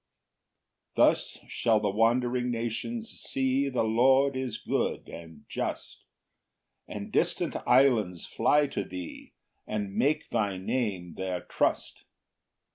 5 Thus shall the wondering nations see The Lord is good and just; And distant islands fly to thee, And make thy Name their trust.